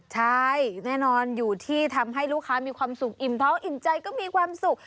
ใช่แน่นอนอยู่ที่ทำให้ลูกค้ามีความสุขอิ่มท้องอิ่มใจก็มีความสุข